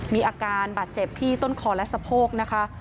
มีอาการบาดเจ็บที่ต้นคอและสะโพกนะคะ